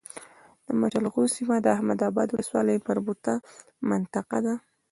مچلغو سيمه د احمداباد ولسوالی مربوطه منطقه ده